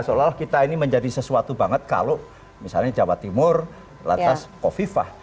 seolah olah kita ini menjadi sesuatu banget kalau misalnya jawa timur lantas kofifah